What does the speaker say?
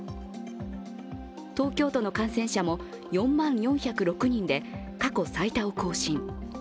東京都の感染者も４万４０６人で過去最多を更新。